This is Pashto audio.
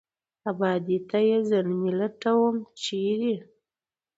آبادۍ ته یې زلمي لټوم ، چېرې ؟